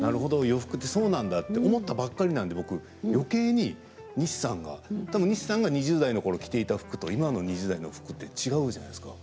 洋服ってそうなんだと思ったばかりなんで、僕よけいに西さんがたぶん西さんが２０代のころ着ていた服と今の２０代の服って違うじゃないですか。